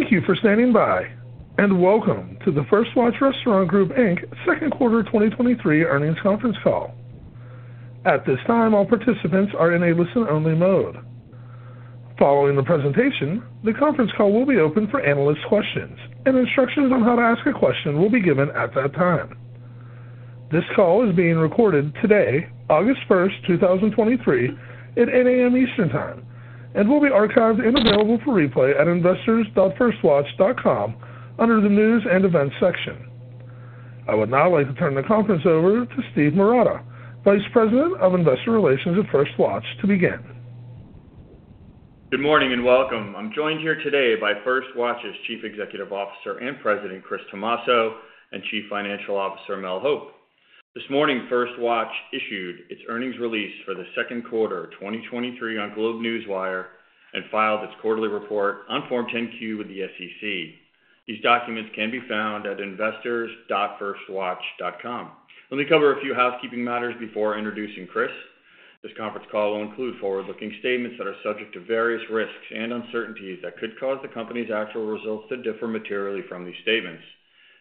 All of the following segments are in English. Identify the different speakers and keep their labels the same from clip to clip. Speaker 1: Thank you for standing by, and welcome to the First Watch Restaurant Group Inc. Q2 2023 earnings conference call. At this time, all participants are in a listen-only mode. Following the presentation, the conference call will be opened for analyst questions, and instructions on how to ask a question will be given at that time. This call is being recorded today, August 1st, 2023 at 8:00 A.M. Eastern Time, and will be archived and available for replay at investors.firstwatch.com under the News and Events section. I would now like to turn the conference over to Steven Marotta, Vice President of Investor Relations at First Watch, to begin.
Speaker 2: Good morning, welcome. I'm joined here today by First Watch's Chief Executive Officer and President, Christopher Tomasso, and Chief Financial Officer, Mel Hope. This morning, First Watch issued its earnings release for the Q2 of 2023 on GlobeNewswire, and filed its quarterly report on Form 10-Q with the SEC. These documents can be found at investors.firstwatch.com. Let me cover a few housekeeping matters before introducing Chris. This conference call will include forward-looking statements that are subject to various risks and uncertainties that could cause the company's actual results to differ materially from these statements.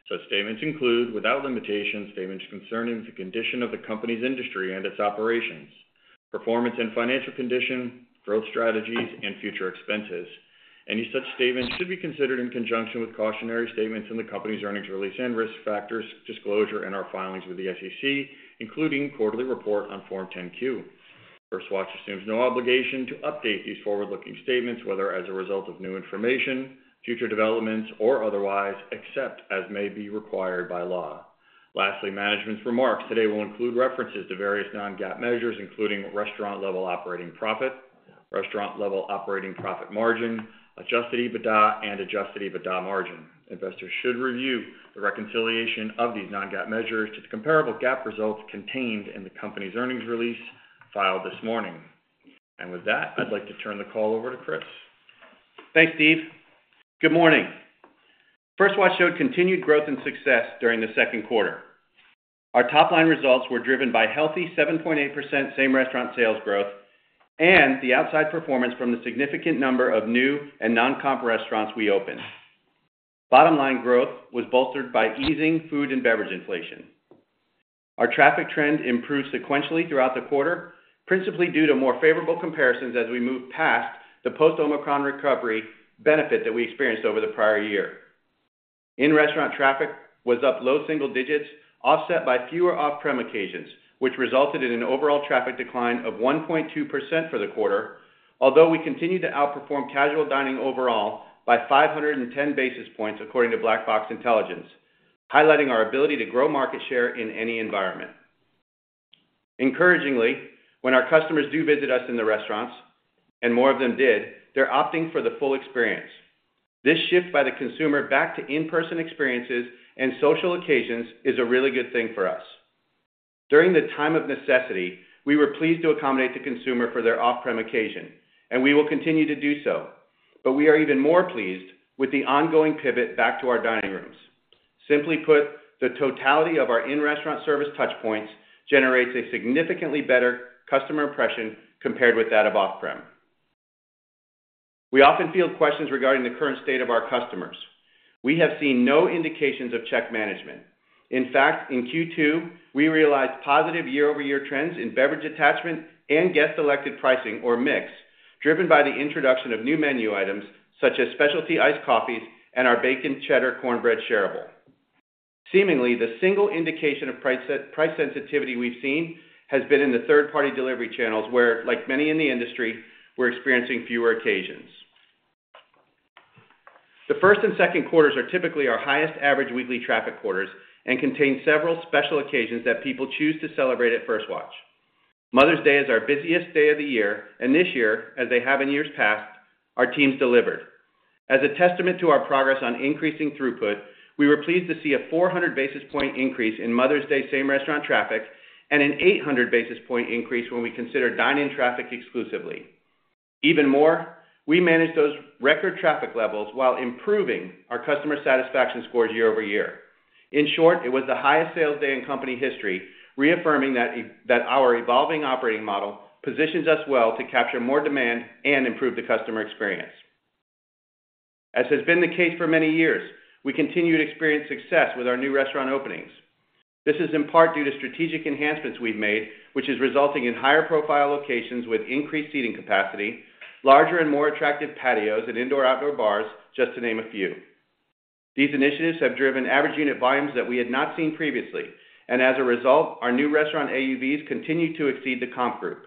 Speaker 2: Such statements include, without limitation, statements concerning the condition of the company's industry and its operations, performance and financial condition, growth strategies, and future expenses. Any such statements should be considered in conjunction with cautionary statements in the company's earnings release and risk factors, disclosure in our filings with the SEC, including quarterly report on Form 10-Q. First Watch assumes no obligation to update these forward-looking statements, whether as a result of new information, future developments, or otherwise, except as may be required by law. Lastly, management's remarks today will include references to various non-GAAP measures, including restaurant level operating profit, restaurant level operating profit margin, Adjusted EBITDA and Adjusted EBITDA margin. Investors should review the reconciliation of these non-GAAP measures to the comparable GAAP results contained in the company's earnings release filed this morning. With that, I'd like to turn the call over to Chris.
Speaker 3: Thanks, Steve. Good morning. First Watch showed continued growth and success during the Q2. Our top line results were driven by healthy 7.8% same restaurant sales growth and the outside performance from the significant number of new and non-comp restaurants we opened. Bottom line growth was bolstered by easing food and beverage inflation. Our traffic trend improved sequentially throughout the quarter, principally due to more favorable comparisons as we moved past the post-Omicron recovery benefit that we experienced over the prior year. In-restaurant traffic was up low single digits, offset by fewer off-prem occasions, which resulted in an overall traffic decline of 1.2% for the quarter, although we continued to outperform casual dining overall by 510 basis points, according to Black Box Intelligence, highlighting our ability to grow market share in any environment. Encouragingly, when our customers do visit us in the restaurants, and more of them did, they're opting for the full experience. This shift by the consumer back to in-person experiences and social occasions is a really good thing for us. During the time of necessity, we were pleased to accommodate the consumer for their off-prem occasion, and we will continue to do so. We are even more pleased with the ongoing pivot back to our dining rooms. Simply put, the totality of our in-restaurant service touchpoints generates a significantly better customer impression compared with that of off-prem. We often field questions regarding the current state of our customers. We have seen no indications of check management. In fact, in Q2, we realized positive year-over-year trends in beverage attachment and guest-selected pricing or mix, driven by the introduction of new menu items such as Specialty Iced Coffees and our Bacon Cheddar Cornbread shareable. Seemingly, the single indication of price, price sensitivity we've seen has been in the third-party delivery channels, where, like many in the industry, we're experiencing fewer occasions. The first and second quarters are typically our highest average weekly traffic quarters and contain several special occasions that people choose to celebrate at First Watch. Mother's Day is our busiest day of the year, and this year, as they have in years past, our teams delivered. As a testament to our progress on increasing throughput, we were pleased to see a 400 basis point increase in Mother's Day same-restaurant traffic and an 800 basis point increase when we consider dine-in traffic exclusively. Even more, we managed those record traffic levels while improving our customer satisfaction scores year-over-year. In short, it was the highest sales day in company history, reaffirming that our evolving operating model positions us well to capture more demand and improve the customer experience. As has been the case for many years, we continue to experience success with our new restaurant openings. This is in part due to strategic enhancements we've made, which is resulting in higher profile locations with increased seating capacity, larger and more attractive patios and indoor/outdoor bars, just to name a few. These initiatives have driven average unit volumes that we had not seen previously, and as a result, our new restaurant AUVs continue to exceed the comp group.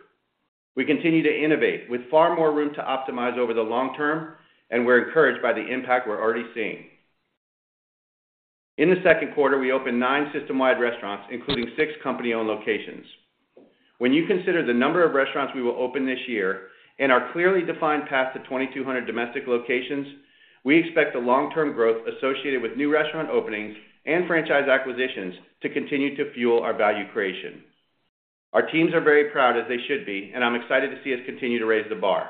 Speaker 3: We continue to innovate with far more room to optimize over the long term, and we're encouraged by the impact we're already seeing. In the Q2, we opened 9 system-wide restaurants, including 6 company-owned locations. When you consider the number of restaurants we will open this year and our clearly defined path to 2,200 domestic locations, we expect the long-term growth associated with new restaurant openings and franchise acquisitions to continue to fuel our value creation. Our teams are very proud, as they should be, and I'm excited to see us continue to raise the bar.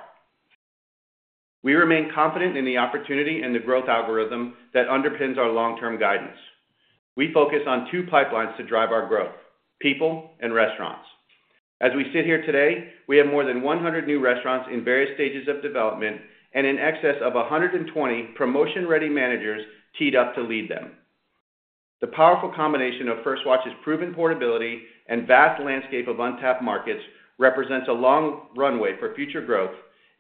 Speaker 3: We remain confident in the opportunity and the growth algorithm that underpins our long-term guidance. We focus on 2 pipelines to drive our growth, people and restaurants. As we sit here today, we have more than 100 new restaurants in various stages of development and in excess of 120 promotion-ready managers teed up to lead them. The powerful combination of First Watch's proven portability and vast landscape of untapped markets represents a long runway for future growth.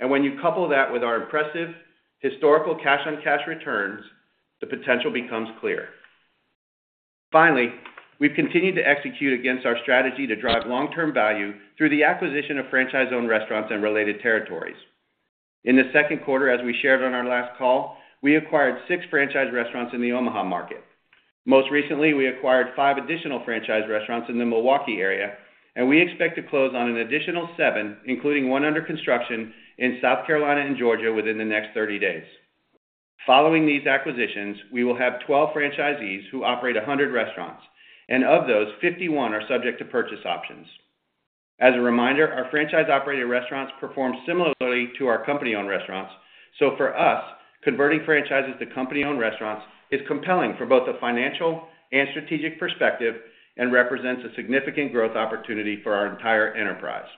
Speaker 3: When you couple that with our impressive historical cash-on-cash returns, the potential becomes clear. Finally, we've continued to execute against our strategy to drive long-term value through the acquisition of franchise-owned restaurants and related territories. In the Q2, as we shared on our last call, we acquired 6 franchise restaurants in the Omaha market. Most recently, we acquired 5 additional franchise restaurants in the Milwaukee area, and we expect to close on an additional 7, including one under construction in South Carolina and Georgia within the next 30 days. Following these acquisitions, we will have 12 franchisees who operate 100 restaurants, and of those, 51 are subject to purchase options. As a reminder, our franchise-operated restaurants perform similarly to our company-owned restaurants. For us, converting franchises to company-owned restaurants is compelling for both a financial and strategic perspective and represents a significant growth opportunity for our entire enterprise.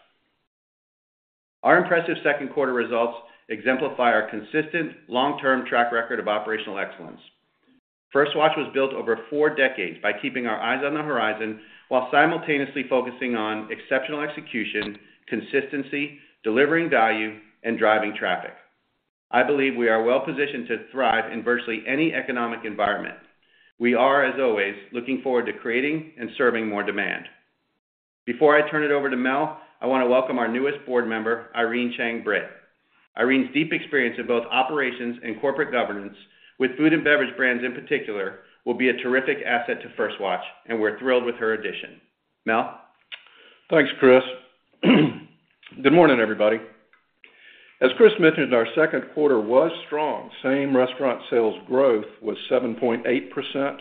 Speaker 3: Our impressive Q2 results exemplify our consistent long-term track record of operational excellence. First Watch was built over four decades by keeping our eyes on the horizon while simultaneously focusing on exceptional execution, consistency, delivering value, and driving traffic. I believe we are well positioned to thrive in virtually any economic environment. We are, as always, looking forward to creating and serving more demand. Before I turn it over to Mel, I want to welcome our newest board member, Irene Chang Britt. Irene's deep experience in both operations and corporate governance, with food and beverage brands in particular, will be a terrific asset to First Watch, and we're thrilled with her addition. Mel?
Speaker 4: Thanks, Chris. Good morning, everybody. As Chris mentioned, our Q2 was strong. Same-restaurant sales growth was 7.8%,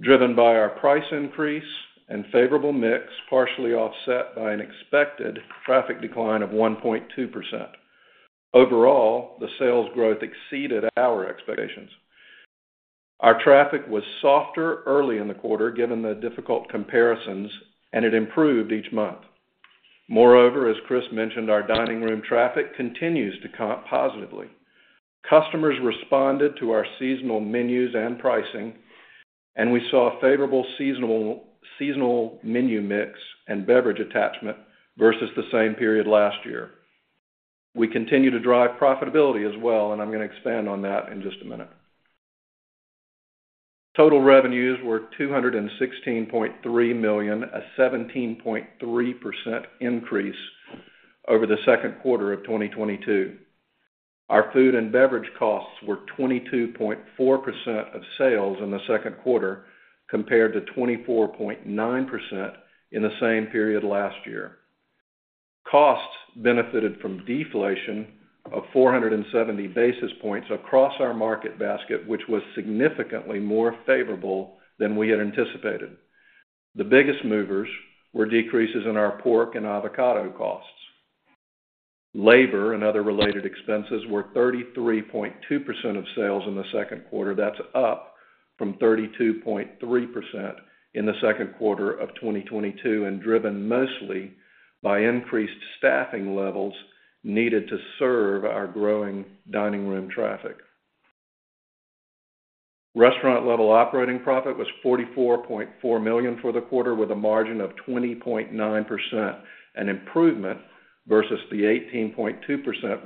Speaker 4: driven by our price increase and favorable mix, partially offset by an expected traffic decline of 1.2%. Overall, the sales growth exceeded our expectations. Our traffic was softer early in the quarter, given the difficult comparisons, and it improved each month. Moreover, as Chris mentioned, our dining room traffic continues to comp positively. Customers responded to our seasonal menus and pricing, and we saw a favorable seasonal menu mix and beverage attachment versus the same period last year. We continue to drive profitability as well, and I'm going to expand on that in just a minute. Total revenues were $216.3 million, a 17.3% increase over the Q2 of 2022. Our food and beverage costs were 22.4% of sales in the Q2, compared to 24.9% in the same period last year. Costs benefited from deflation of 470 basis points across our market basket, which was significantly more favorable than we had anticipated. The biggest movers were decreases in our pork and avocado costs. Labor and other related expenses were 33.2% of sales in the Q2. That's up from 32.3% in the Q2 of 2022 and driven mostly by increased staffing levels needed to serve our growing dining room traffic. Restaurant Level Operating Profit was $44.4 million for the quarter, with a margin of 20.9%, an improvement versus the 18.2%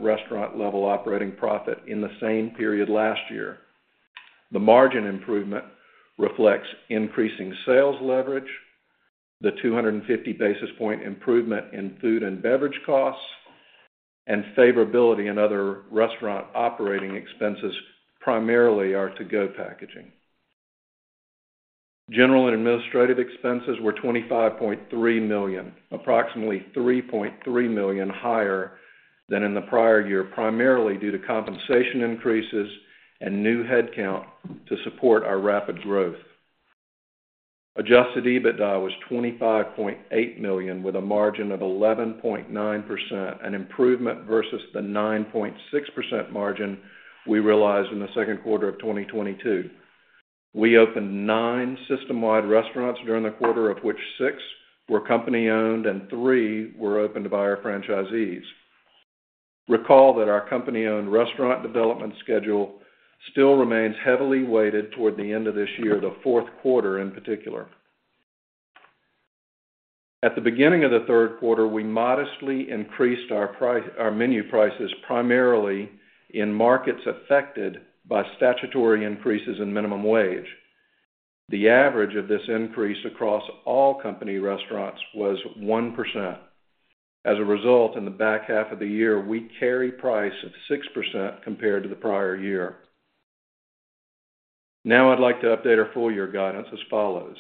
Speaker 4: Restaurant Level Operating Profit in the same period last year. The margin improvement reflects increasing sales leverage, the 250 basis point improvement in food and beverage costs, and favorability in other restaurant operating expenses, primarily our to-go packaging. General and administrative expenses were $25.3 million, approximately $3.3 million higher than in the prior year, primarily due to compensation increases and new headcount to support our rapid growth. Adjusted EBITDA was $25.8 million, with a margin of 11.9%, an improvement versus the 9.6% margin we realized in the Q2 of 2022. We opened nine system-wide restaurants during the quarter, of which six were company-owned and three were opened by our franchisees. Recall that our company-owned restaurant development schedule still remains heavily weighted toward the end of this year, the Q4 in particular. At the beginning of the Q3, we modestly increased our menu prices, primarily in markets affected by statutory increases in minimum wage. The average of this increase across all company restaurants was 1%. As a result, in the back half of the year, we carry price of 6% compared to the prior year. Now I'd like to update our full year guidance as follows: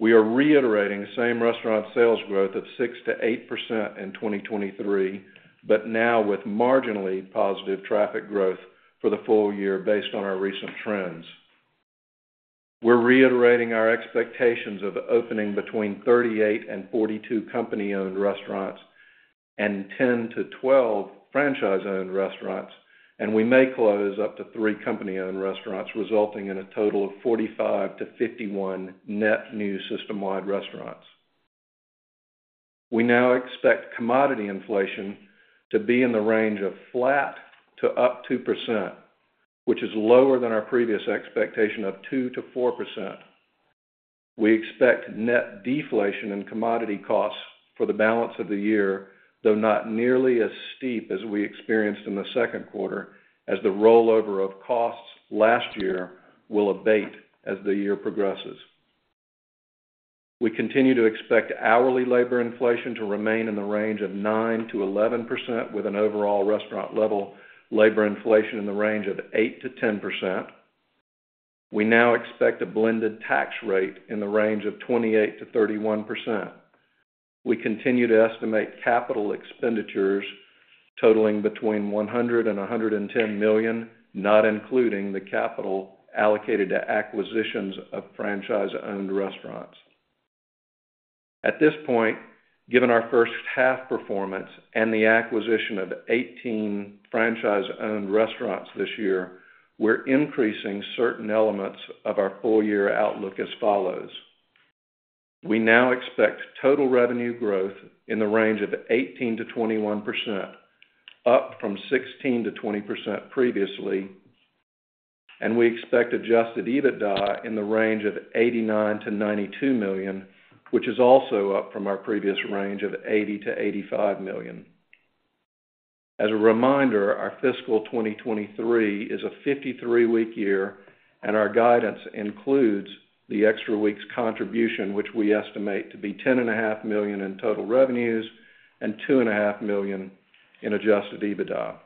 Speaker 4: We are reiterating same-restaurant sales growth of 6 to 8% in 2023, but now with marginally positive traffic growth for the full year based on our recent trends. We're reiterating our expectations of opening between 38 and 42 company-owned restaurants and 10-12 franchise-owned restaurants, and we may close up to 3 company-owned restaurants, resulting in a total of 45-51 net new system-wide restaurants. We now expect commodity inflation to be in the range of flat to up 2%, which is lower than our previous expectation of 2 to 4%. We expect net deflation in commodity costs for the balance of the year, though not nearly as steep as we experienced in the Q2, as the rollover of costs last year will abate as the year progresses. We continue to expect hourly labor inflation to remain in the range of 9 to 11%, with an overall restaurant-level labor inflation in the range of 8 to 10%. We now expect a blended tax rate in the range of 28 to 31%. We continue to estimate capital expenditures totaling between $100 million and $110 million, not including the capital allocated to acquisitions of franchise-owned restaurants. At this point, given our first half performance and the acquisition of 18 franchise-owned restaurants this year, we're increasing certain elements of our full-year outlook as follows: We now expect total revenue growth in the range of 18 to 21%, up from 16 to 20% previously, and we expect Adjusted EBITDA in the range of $89 million to 92 million, which is also up from our previous range of $80 million to 85 million. As a reminder, our fiscal 2023 is a 53-week year, and our guidance includes the extra week's contribution, which we estimate to be $10.5 million in total revenues and $2.5 million in Adjusted EBITDA.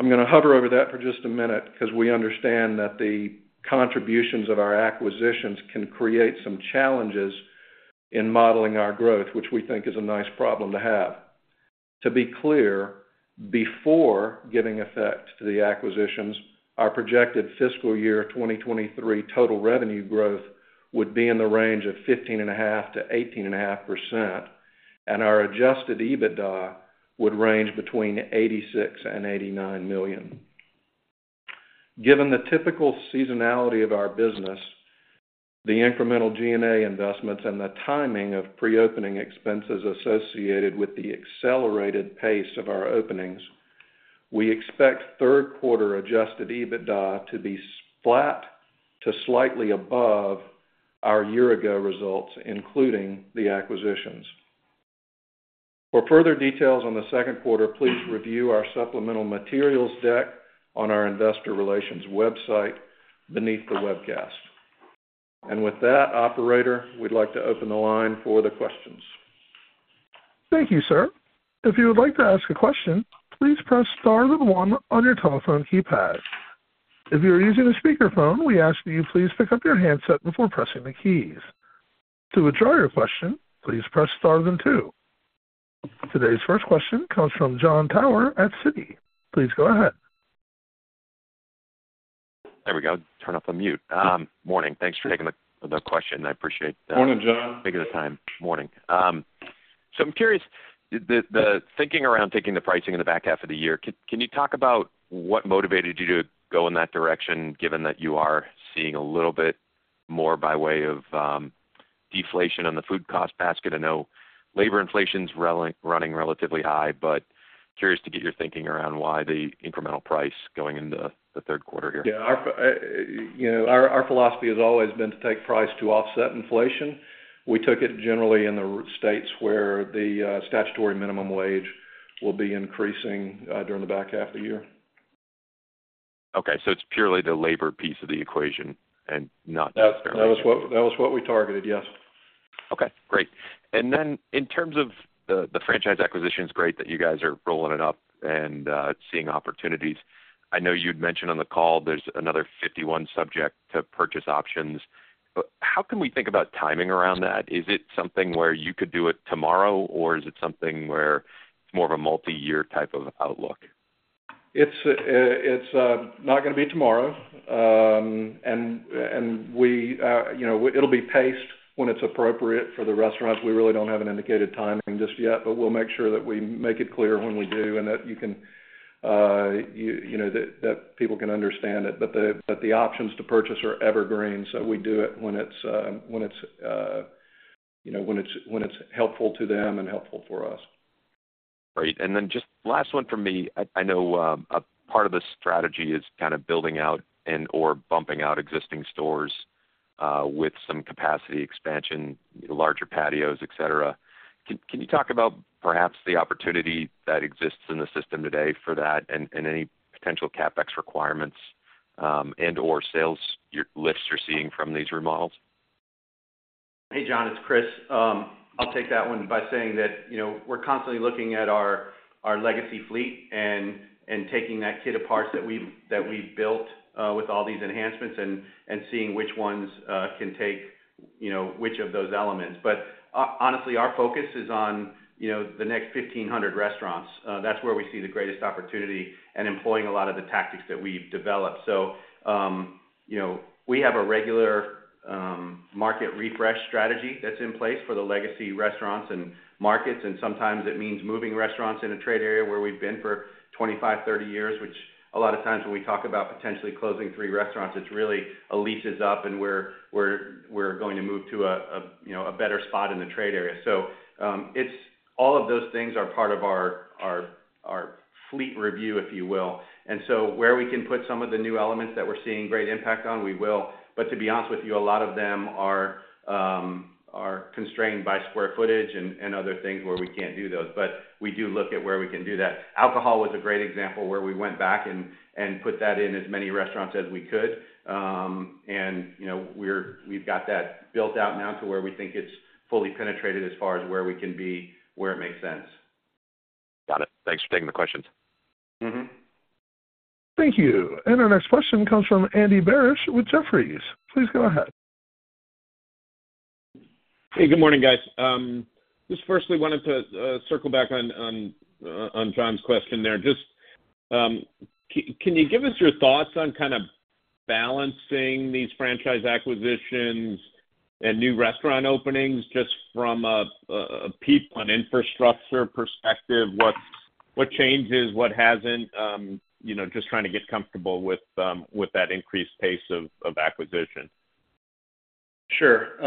Speaker 4: I'm going to hover over that for just a minute because we understand that the contributions of our acquisitions can create some challenges in modeling our growth, which we think is a nice problem to have. To be clear, before giving effect to the acquisitions, our projected fiscal year 2023 total revenue growth would be in the range of 15.5 to 18.5%, and our Adjusted EBITDA would range between $86 million and $89 million. Given the typical seasonality of our business, the incremental G&A investments, and the timing of pre-opening expenses associated with the accelerated pace of our openings, we expect Q3 Adjusted EBITDA to be flat to slightly above our year-ago results, including the acquisitions. For further details on the Q2, please review our supplemental materials deck on our investor relations website beneath the webcast. With that, operator, we'd like to open the line for the questions.
Speaker 1: Thank you, sir. If you would like to ask a question, please press star then one on your telephone keypad. If you are using a speakerphone, we ask that you please pick up your handset before pressing the keys. To withdraw your question, please press star then two. Today's first question comes from Jon Tower at Citi. Please go ahead.
Speaker 5: There we go. Turn off the mute. Morning. Thanks for taking the, the question. I appreciate-
Speaker 4: Morning, Jon.
Speaker 5: Taking the time. Morning. I'm curious, the, the thinking around taking the pricing in the back half of the year, can, can you talk about what motivated you to go in that direction, given that you are seeing a little bit more by way of deflation on the food cost basket? I know labor inflation's running relatively high. Curious to get your thinking around why the incremental price going into the Q3 here.
Speaker 4: Yeah. Our, you know, our, our philosophy has always been to take price to offset inflation. We took it generally in the states where the statutory minimum wage will be increasing during the back half of the year.
Speaker 5: Okay, it's purely the labor piece of the equation and not...
Speaker 4: That was what we targeted, yes.
Speaker 5: Okay, great. Then in terms of the, the franchise acquisition, it's great that you guys are rolling it up and seeing opportunities. I know you'd mentioned on the call there's another 51 subject to purchase options. How can we think about timing around that? Is it something where you could do it tomorrow, or is it something where it's more of a multiyear type of outlook?
Speaker 4: It's, it's not going to be tomorrow. We, you know, it'll be paced when it's appropriate for the restaurants. We really don't have an indicated timing just yet, but we'll make sure that we make it clear when we do, and that you can, you, you know, that, that people can understand it. The, but the options to purchase are evergreen, so we do it when it's, when it's, you know, when it's, when it's helpful to them and helpful for us.
Speaker 5: Great. Then just last 1 from me. I, I know, a part of this strategy is kind of building out and/or bumping out existing stores, with some capacity expansion, larger patios, et cetera. Can, can you talk about perhaps the opportunity that exists in the system today for that and, and any potential CapEx requirements, and/or sales you're-- lifts you're seeing from these remodels?
Speaker 3: Hey, Jon, it's Chris. I'll take that one by saying that, you know, we're constantly looking at our, our legacy fleet and, and taking that kit of parts that we've, that we've built with all these enhancements and, and seeing which ones can take, you know, which of those elements. Honestly, our focus is on, you know, the next 1,500 restaurants. That's where we see the greatest opportunity and employing a lot of the tactics that we've developed. So. You know, we have a regular market refresh strategy that's in place for the legacy restaurants and markets, and sometimes it means moving restaurants in a trade area where we've been for 25, 30 years, which a lot of times when we talk about potentially closing 3 restaurants, it's really a lease is up, and we're, we're, we're going to move to a, a, you know, a better spot in the trade area. It's all of those things are part of our, our, our fleet review, if you will. Where we can put some of the new elements that we're seeing great impact on, we will. To be honest with you, a lot of them are constrained by square footage and, and other things where we can't do those. We do look at where we can do that. Alcohol was a great example, where we went back and, and put that in as many restaurants as we could. You know, we've got that built out now to where we think it's fully penetrated as far as where we can be, where it makes sense.
Speaker 5: Got it. Thanks for taking the questions.
Speaker 3: Mm-hmm.
Speaker 1: Thank you. Our next question comes from Andrew Barish with Jefferies. Please go ahead.
Speaker 6: Hey, good morning, guys. Just firstly, wanted to circle back on Jon's question there. Just, can you give us your thoughts on kind of balancing these franchise acquisitions and new restaurant openings, just from a people and infrastructure perspective? What, what changes, what hasn't? You know, just trying to get comfortable with that increased pace of acquisition.
Speaker 3: Sure.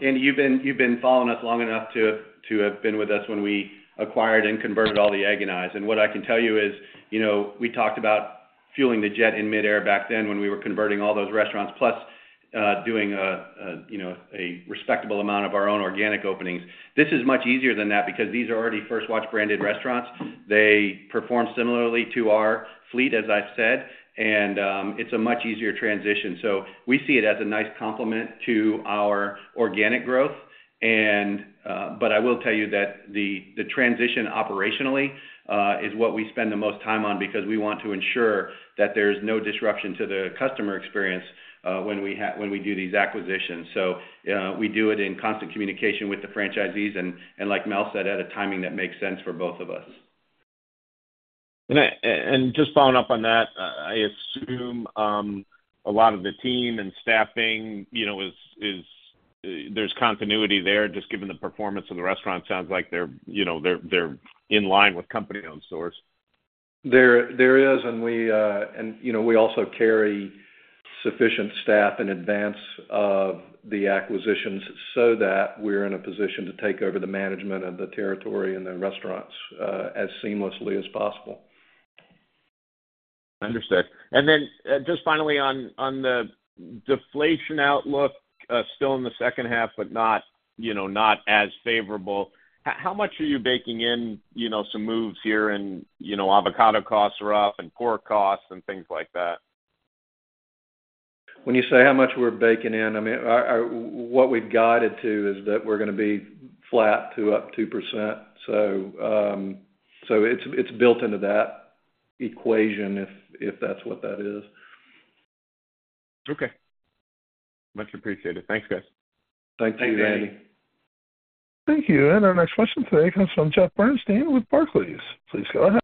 Speaker 3: Andy Barish, you've been, you've been following us long enough to, to have been with us when we acquired and converted all The Egg & I's. What I can tell you is, you know, we talked about fueling the jet in midair back then when we were converting all those restaurants, plus, doing a, a, you know, a respectable amount of our own organic openings. This is much easier than that because these are already First Watch branded restaurants. They perform similarly to our fleet, as I've said, and, it's a much easier transition. We see it as a nice complement to our organic growth. But I will tell you that the, the transition operationally, is what we spend the most time on, because we want to ensure that there is no disruption to the customer experience, when we do these acquisitions. We do it in constant communication with the franchisees, and, and like Mel said, at a timing that makes sense for both of us.
Speaker 6: Just following up on that, I assume, a lot of the team and staffing, you know, there's continuity there, just given the performance of the restaurant, sounds like they're, you know, they're, they're in line with company-owned stores.
Speaker 4: There is, and we, you know, we also carry sufficient staff in advance of the acquisitions so that we're in a position to take over the management of the territory and the restaurants, as seamlessly as possible.
Speaker 6: Understood. Then, just finally on, on the deflation outlook, still in the second half, but not, you know, not as favorable. How much are you baking in, you know, some moves here and, you know, avocado costs are up and pork costs and things like that?
Speaker 4: When you say, how much we're baking in, I mean, what we've guided to is that we're going to be flat to up 2%. So it's, it's built into that equation, if, if that's what that is.
Speaker 6: Okay. Much appreciated. Thanks, guys.
Speaker 4: Thank you, Andy.
Speaker 1: Thank you. Our next question today comes from Jeffrey Bernstein with Barclays. Please go ahead.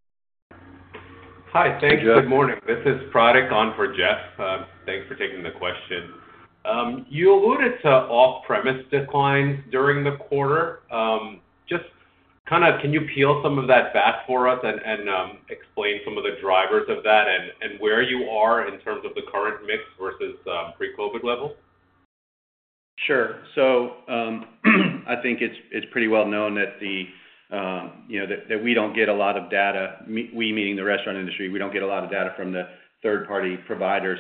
Speaker 7: Hi. Thanks.
Speaker 4: Hey, Jeff.
Speaker 7: Good morning. This is Pratik on for Jeff. Thanks for taking the question. You alluded to off-premise declines during the quarter. Can you peel some of that back for us and, and, explain some of the drivers of that and, and where you are in terms of the current mix versus, pre-COVID levels?
Speaker 3: Sure. I think it's, it's pretty well known that the, you know, that, that we don't get a lot of data, we meaning the restaurant industry, we don't get a lot of data from the third-party providers.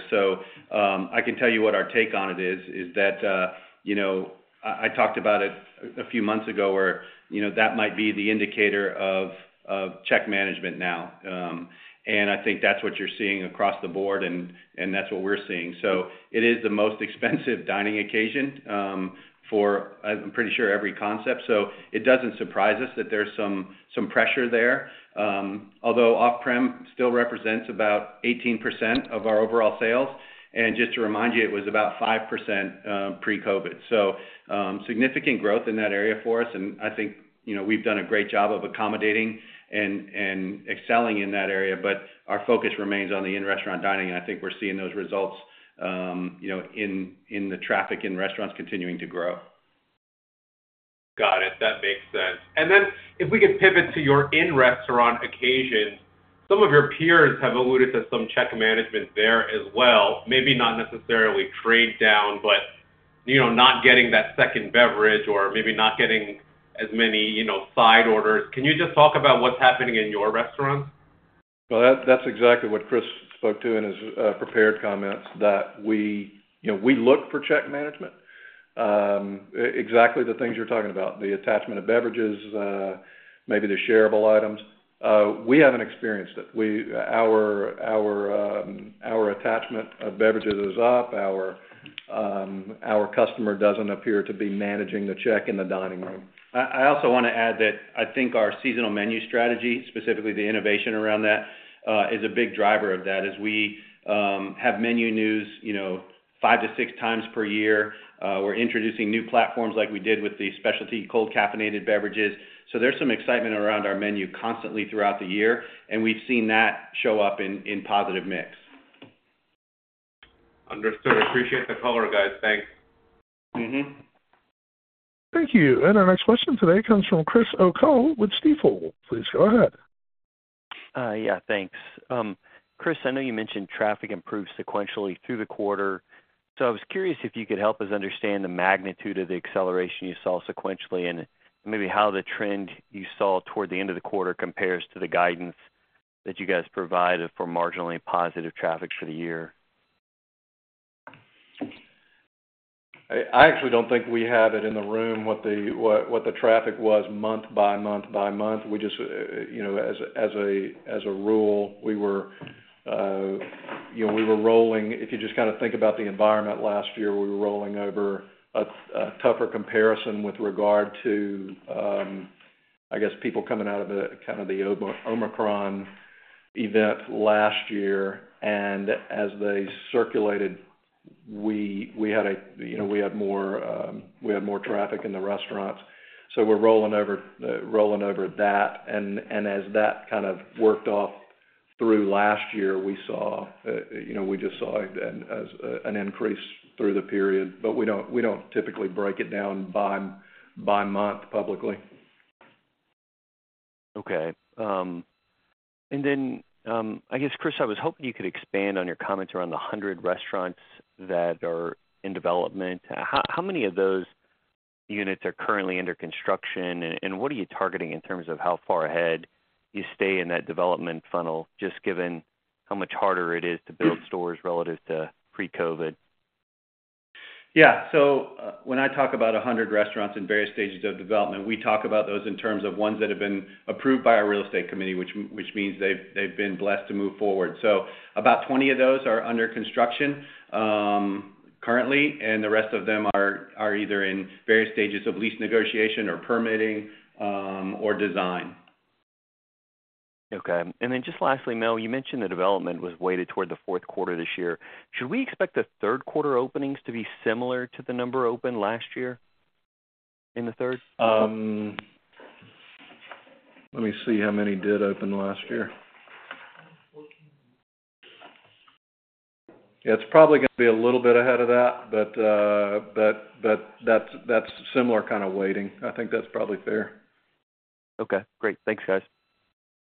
Speaker 3: I can tell you what our take on it is, is that, you know, I, I talked about it a few months ago, where, you know, that might be the indicator of, of check management now. I think that's what you're seeing across the board, and, and that's what we're seeing. It is the most expensive dining occasion, for, I'm pretty sure, every concept. It doesn't surprise us that there's some, some pressure there. Although off-prem still represents about 18% of our overall sales, and just to remind you, it was about 5%, pre-COVID. Significant growth in that area for us, I think, you know, we've done a great job of accommodating and, and excelling in that area, our focus remains on the in-restaurant dining, I think we're seeing those results, you know, in, in the traffic in restaurants continuing to grow.
Speaker 7: Got it. That makes sense. Then, if we could pivot to your in-restaurant occasions, some of your peers have alluded to some check management there as well. Maybe not necessarily trade down, but, you know, not getting that second beverage or maybe not getting as many, you know, side orders. Can you just talk about what's happening in your restaurants?
Speaker 4: Well, that, that's exactly what Chris spoke to in his prepared comments, that we, you know, we look for check management. Exactly the things you're talking about, the attachment of beverages, maybe the shareable items. We haven't experienced it. Our attachment of beverages is up. Our customer doesn't appear to be managing the check in the dining room.
Speaker 3: I, I also want to add that I think our seasonal menu strategy, specifically the innovation around that, is a big driver of that, as we have menu news, you know, five to six times per year. We're introducing new platforms like we did with the specialty cold caffeinated beverages. There's some excitement around our menu constantly throughout the year, and we've seen that show up in, in positive mix.
Speaker 7: Understood. Appreciate the color, guys. Thanks.
Speaker 3: Mm-hmm.
Speaker 1: Thank you. Our next question today comes from Christopher O'Cull with Stifel. Please go ahead.
Speaker 8: Yeah, thanks. Chris, I know you mentioned traffic improved sequentially through the quarter. So I was curious if you could help us understand the magnitude of the acceleration you saw sequentially, and maybe how the trend you saw toward the end of the quarter compares to the guidance that you guys provided for marginally positive traffic for the year?
Speaker 4: I, I actually don't think we have it in the room, what the, what, what the traffic was month by month by month. We just, you know, as, as a, as a rule, we were, you know, If you just kind of think about the environment last year, we were rolling over a, a tougher comparison with regard to, I guess, people coming out of the kind of the Omicron event last year. As they circulated, we, we had a, you know, we had more, we had more traffic in the restaurants, so we're rolling over, rolling over that. As that kind of worked off through last year, we saw, you know, we just saw an increase through the period. We don't, we don't typically break it down by, by month publicly.
Speaker 8: Okay. And then, I guess, Chris, I was hoping you could expand on your comments around the 100 restaurants that are in development. How many of those units are currently under construction? What are you targeting in terms of how far ahead you stay in that development funnel, just given how much harder it is to build stores relative to pre-COVID?
Speaker 3: Yeah. When I talk about 100 restaurants in various stages of development, we talk about those in terms of ones that have been approved by our real estate committee, which means they've been blessed to move forward. About 20 of those are under construction currently, and the rest of them are either in various stages of lease negotiation or permitting or design.
Speaker 8: Okay. Just lastly, Mel, you mentioned the development was weighted toward the Q4 this year. Should we expect the Q3 openings to be similar to the number opened last year in the third?
Speaker 4: Let me see how many did open last year. It's probably going to be a little bit ahead of that, but, but, but that's, that's similar kind of weighting. I think that's probably fair.
Speaker 8: Okay, great. Thanks, guys.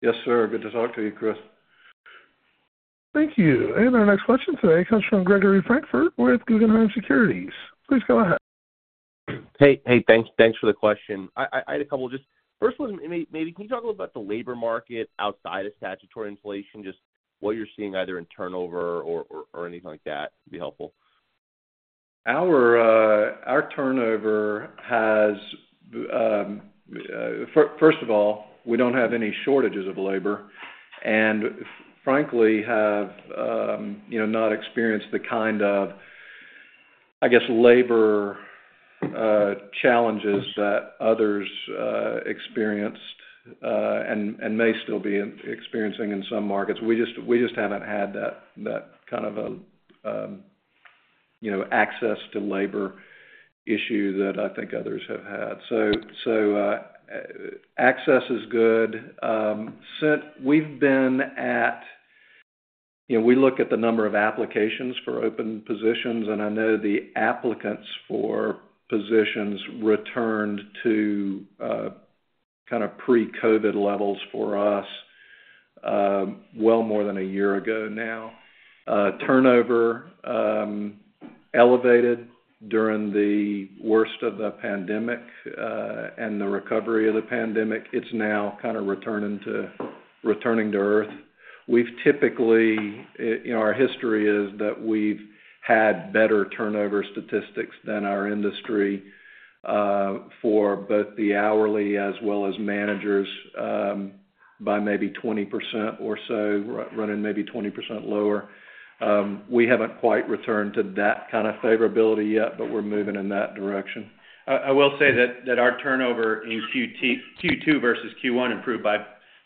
Speaker 4: Yes, sir. Good to talk to you, Chris.
Speaker 1: Thank you. Our next question today comes from Gregory Francfort with Guggenheim Securities. Please go ahead.
Speaker 9: Hey, hey, thanks thanks for the question. I had a couple, just first one, maybe can you talk a little about the labor market outside of statutory inflation, just what you're seeing either in turnover or anything like that would be helpful.
Speaker 4: First of all, we don't have any shortages of labor, and frankly, have, you know, not experienced the kind of, I guess, labor challenges that others experienced and may still be experiencing in some markets. We just, we just haven't had that, that kind of a, you know, access to labor issue that I think others have had. Access is good. Since we've been at-- You know, we look at the number of applications for open positions, and I know the applicants for positions returned to kind of pre-COVID levels for us, well more than a year ago now. Turnover elevated during the worst of the pandemic and the recovery of the pandemic. It's now kind of returning to, returning to earth. We've typically, you know, our history is that we've had better turnover statistics than our industry, for both the hourly as well as managers, by maybe 20% or so, running maybe 20% lower. We haven't quite returned to that kind of favorability yet, but we're moving in that direction.
Speaker 3: I, I will say that, that our turnover in Q2 versus Q1 improved by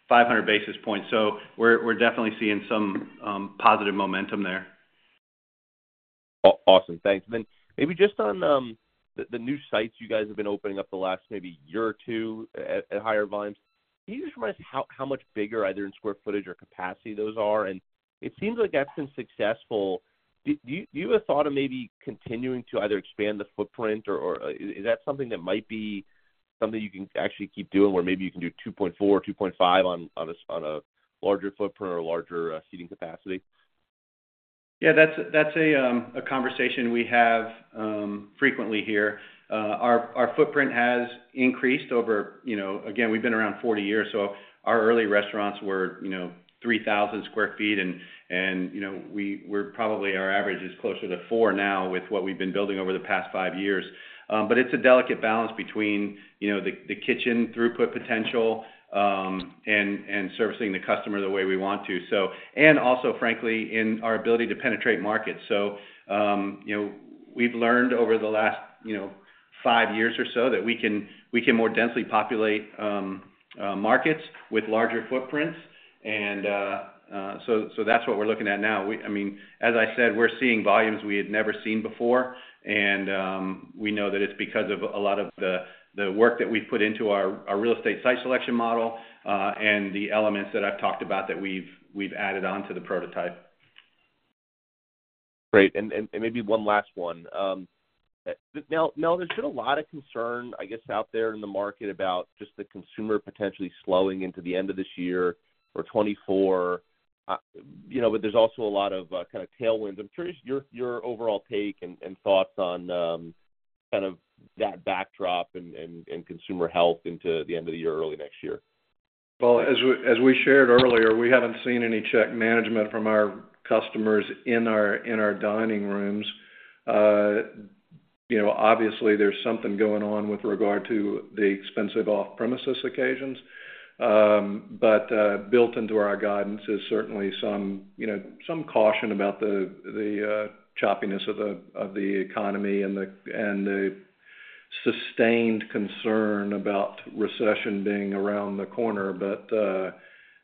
Speaker 3: 500 basis points, so we're, we're definitely seeing some positive momentum there.
Speaker 9: Awesome. Thanks. Then maybe just on, the, the new sites you guys have been opening up the last maybe one or two at, at higher volumes. Can you just remind us how, how much bigger, either in square footage or capacity, those are? It seems like that's been successful. Do, do you, do you have thought of maybe continuing to either expand the footprint or, or, is that something that might be something you can actually keep doing, where maybe you can do 2.4, 2.5 on a, on a larger footprint or a larger, seating capacity?
Speaker 3: Yeah, that's a, that's a, a conversation we have, frequently here. Our, our footprint has increased over, you know, Again, we've been around 40 years, so our early restaurants were, you know, 3,000 sq ft and, and, you know, we're probably, our average is closer to four now with what we've been building over the past five years. But it's a delicate balance between, you know, the, the kitchen throughput potential, and, and servicing the customer the way we want to. Also, frankly, in our ability to penetrate markets. We've learned over the last, you know, five years or so that we can, we can more densely populate, markets with larger footprints. So, so that's what we're looking at now. We I mean, as I said, we're seeing volumes we had never seen before, and we know that it's because of a lot of the, the work that we've put into our, our real estate site selection model, and the elements that I've talked about that we've, we've added on to the prototype.
Speaker 9: Great. Maybe one last one. Now, now, there's been a lot of concern, I guess, out there in the market about just the consumer potentially slowing into the end of this year or 2024. You know, but there's also a lot of kind of tailwinds. I'm curious, your, your overall take and thoughts on kind of that backdrop and consumer health into the end of the year, early next year?
Speaker 4: As we shared earlier, we haven't seen any check management from our customers in our dining rooms. You know, obviously, there's something going on with regard to the expensive off-premises occasions. Built into our guidance is certainly some, you know, some caution about the choppiness of the economy and the sustained concern about recession being around the corner,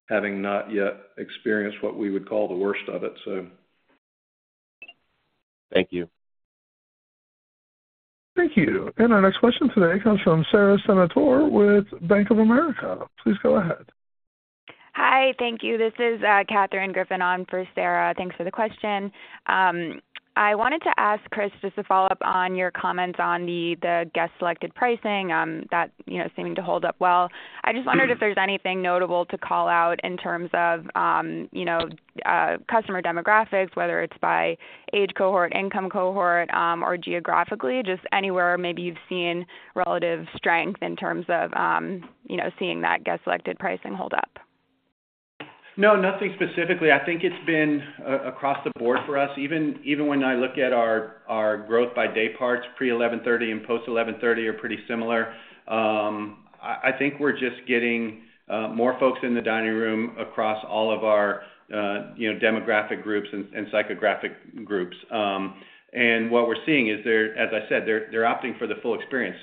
Speaker 4: having not yet experienced what we would call the worst of it.
Speaker 9: Thank you.
Speaker 1: Thank you. Our next question today comes from Sara Senatore with Bank of America. Please go ahead.
Speaker 10: Hi, thank you. This is Katherine Griffin on for Sarah. Thanks for the question. I wanted to ask Chris, just to follow up on your comments on the guest-selected pricing, that, you know, seeming to hold up well. I just wondered if there's anything notable to call out in terms of, you know, customer demographics, whether it's by age cohort, income cohort, or geographically, just anywhere maybe you've seen relative strength in terms of, you know, seeing that guest-selected pricing hold up?
Speaker 3: No, nothing specifically. I think it's been across the board for us. Even, even when I look at our, our growth by day parts, pre-11:30 A.M. and post-11:30 A.M. are pretty similar. I, I think we're just getting more folks in the dining room across all of our, you know, demographic groups and, and psychographic groups. What we're seeing is as I said, they're, they're opting for the full experience.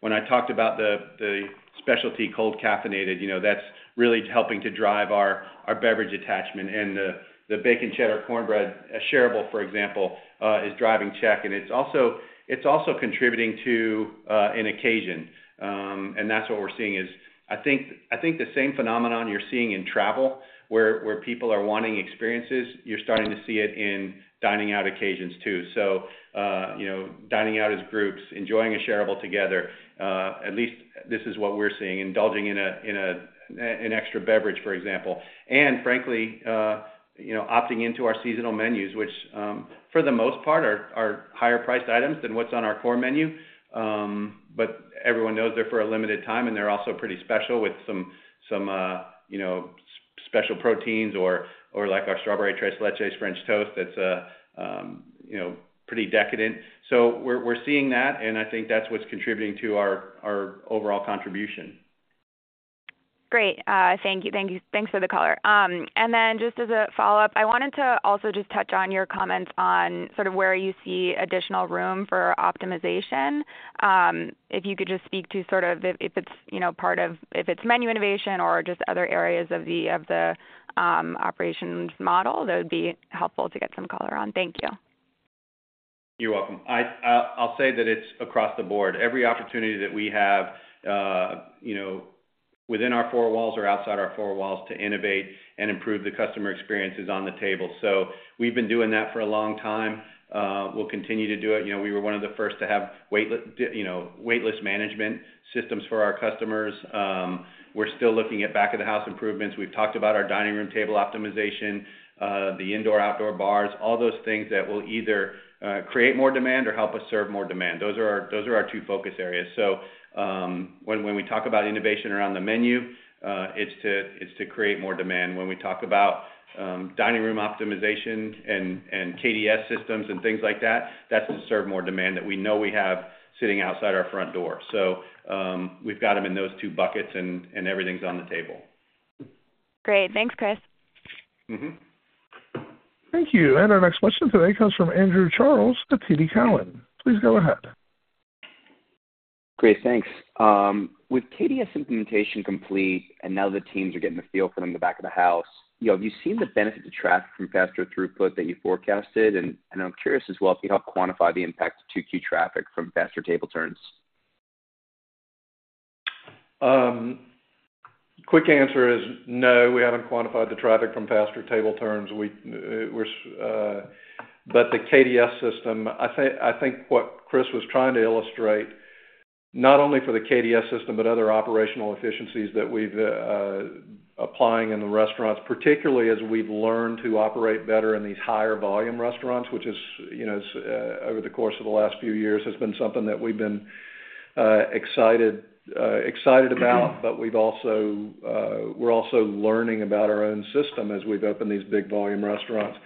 Speaker 3: When I talked about the, the specialty cold caffeinated, you know, that's really helping to drive our, our beverage attachment. The, the Bacon Cheddar Cornbread, a shareable, for example, is driving check, and it's also, it's also contributing to an occasion. That's what we're seeing is. I think, I think the same phenomenon you're seeing in travel, where, where people are wanting experiences, you're starting to see it in dining out occasions, too. You know, dining out as groups, enjoying a shareable together, at least this is what we're seeing, indulging in an extra beverage, for example. Frankly, you know, opting into our seasonal menus, which, for the most part, are, are higher priced items than what's on our core menu. Everyone knows they're for a limited time, and they're also pretty special with some, some, you know, special proteins or, or like our Strawberry Tres Leches French Toast, that's, you know, pretty decadent. We're, we're seeing that, and I think that's what's contributing to our, our overall contribution.
Speaker 10: Great. Thank you. Thank you. Thanks for the color. Then just as a follow-up, I wanted to also just touch on your comments on sort of where you see additional room for optimization. If you could just speak to sort of if, if it's, you know, if it's menu innovation or just other areas of the, of the operations model, that would be helpful to get some color on. Thank you.
Speaker 3: You're welcome. I, I'll, I'll say that it's across the board. Every opportunity that we have, you know, within our four walls or outside our four walls, to innovate and improve the customer experience is on the table. We've been doing that for a long time. We'll continue to do it. You know, we were one of the first to have waitli-- you know, waitlist management systems for our customers. We're still looking at back-of-the-house improvements. We've talked about our dining room table optimization, the indoor-outdoor bars, all those things that will either create more demand or help us serve more demand. Those are our, those are our two focus areas. When, when we talk about innovation around the menu, it's to, it's to create more demand. When we talk about, dining room optimization and, and KDS systems and things like that, that's to serve more demand that we know we have sitting outside our front door. We've got them in those 2 buckets, and, and everything's on the table.
Speaker 10: Great. Thanks, Chris.
Speaker 3: Mm-hmm.
Speaker 1: Thank you. Our next question today comes from Andrew Charles at TD Cowen. Please go ahead.
Speaker 11: Great, thanks. With KDS implementation complete, and now the teams are getting a feel for them in the back of the house, you know, have you seen the benefit to traffic from faster throughput than you forecasted? And I'm curious as well, if you help quantify the impact to 2Q traffic from faster table turns.
Speaker 4: Quick answer is no, we haven't quantified the traffic from faster table turns. We. The KDS system, I think, I think what Chris was trying to illustrate, not only for the KDS system, but other operational efficiencies that we've applying in the restaurants, particularly as we've learned to operate better in these higher volume restaurants, which is, you know, over the course of the last few years, has been something that we've been excited, excited about, but we've also, we're also learning about our own system as we've opened these big volume restaurants.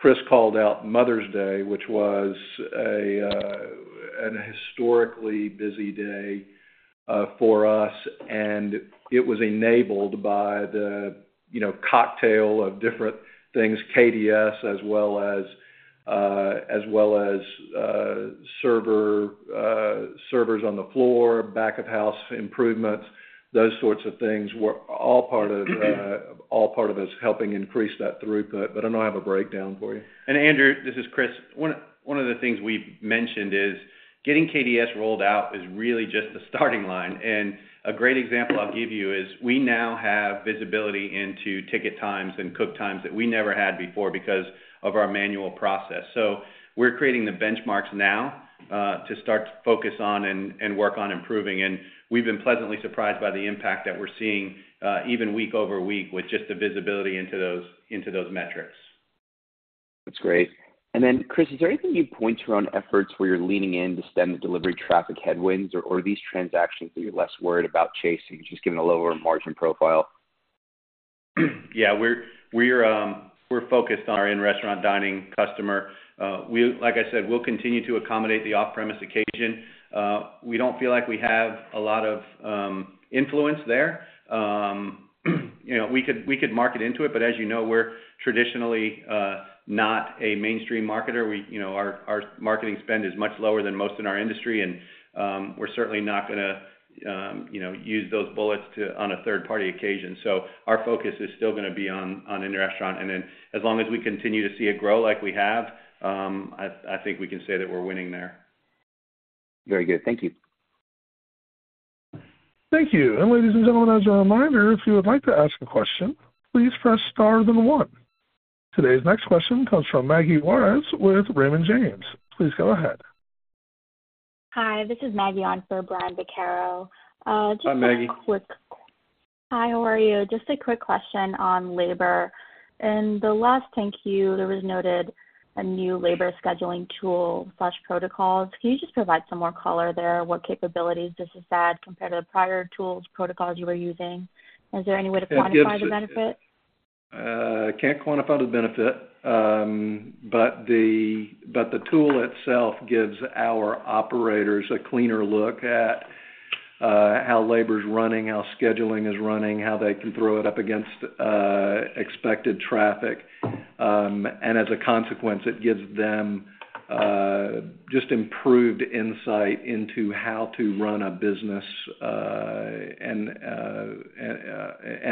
Speaker 4: Chris called out Mother's Day, which was a, an historically busy day, for us, and it was enabled by the, you know, cocktail of different things, KDS, as well as, as well as, server, servers on the floor, back-of-house improvements, those sorts of things, were all part of, all part of this helping increase that throughput. I know I have a breakdown for you.
Speaker 3: Andrew, this is Chris. One of the things we've mentioned is getting KDS rolled out is really just the starting line. A great example I'll give you is: We now have visibility into ticket times and cook times that we never had before because of our manual process. We're creating the benchmarks now, to start to focus on and work on improving, and we've been pleasantly surprised by the impact that we're seeing, even week over week, with just the visibility into those metrics.
Speaker 11: That's great. Then, Chris, is there anything you'd point to on efforts where you're leaning in to stem the delivery traffic headwinds, or, or these transactions that you're less worried about chasing, just given a lower margin profile?
Speaker 3: Yeah, we're, we're focused on our in-restaurant dining customer. Like I said, we'll continue to accommodate the off-premise occasion. We don't feel like we have a lot of influence there. You know, we could, we could market into it, but as you know, we're traditionally not a mainstream marketer. We, you know, our, our marketing spend is much lower than most in our industry, and we're certainly not gonna, you know, use those bullets to-- on a third-party occasion. Our focus is still gonna be on, on in-restaurant, and then as long as we continue to see it grow like we have, I, I think we can say that we're winning there.
Speaker 11: Very good. Thank you.
Speaker 1: Thank you. Ladies and gentlemen, as a reminder, if you would like to ask a question, please press star then one. Today's next question comes from Maddie Schipper with Raymond James. Please go ahead.
Speaker 12: Hi, this is Maddie, on for Brian Vaccaro. Just a quick-
Speaker 4: Hi, Maggie.
Speaker 12: Hi, how are you? Just a quick question on labor. In the last thank you, there was noted a new labor scheduling tool/protocols. Can you just provide some more color there? What capabilities this has added compared to the prior tools, protocols you were using? Is there any way to quantify the benefit?
Speaker 4: can't quantify the benefit, but the, but the tool itself gives our operators a cleaner look at how labor's running, how scheduling is running, how they can throw it up against expected traffic. As a consequence, it gives them just improved insight into how to run a business, and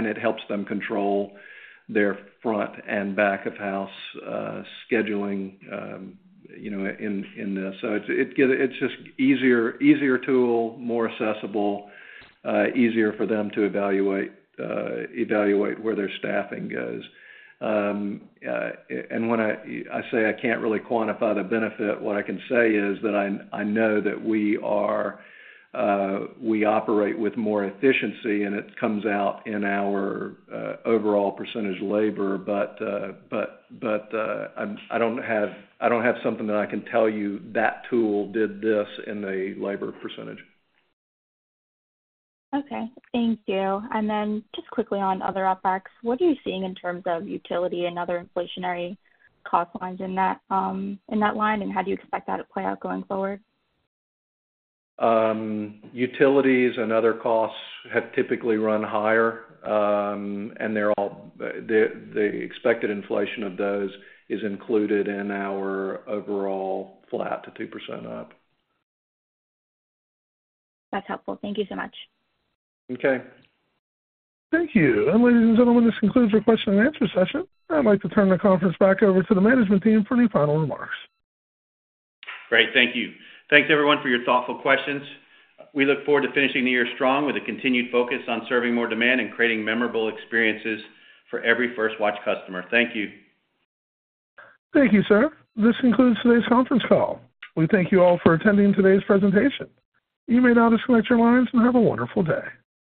Speaker 4: it helps them control their front and back of house scheduling, you know, in, in this. It's just easier, easier tool, more accessible, easier for them to evaluate evaluate where their staffing goes. When I, I say I can't really quantify the benefit, what I can say is that I, I know that we are, we operate with more efficiency, and it comes out in our overall percentage labor. but, I don't have, I don't have something that I can tell you that tool did this in the labor percent.
Speaker 12: Okay, thank you. Then just quickly on other OpEx, what are you seeing in terms of utility and other inflationary cost lines in that, in that line? How do you expect that to play out going forward?
Speaker 4: Utilities and other costs have typically run higher, and they're all, the, the expected inflation of those is included in our overall flat to 2% up.
Speaker 12: That's helpful. Thank you so much.
Speaker 4: Okay.
Speaker 1: Thank you. Ladies and gentlemen, this concludes our question and answer session. I'd like to turn the conference back over to the management team for any final remarks.
Speaker 3: Great, thank you. Thanks, everyone, for your thoughtful questions. We look forward to finishing the year strong with a continued focus on serving more demand and creating memorable experiences for every First Watch customer. Thank you.
Speaker 1: Thank you, sir. This concludes today's conference call. We thank you all for attending today's presentation. You may now disconnect your lines and have a wonderful day.